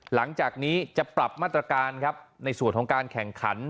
หลังจากนี้จะปรับมาตรการครับในส่วนของการแข่งขัน